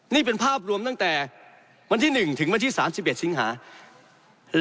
นี่เป็นภาพรวมตั้งแต่วันที่๑ถึงวันที่๓๑สิงหา